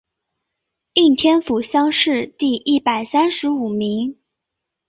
应天府乡试第一百三十五名。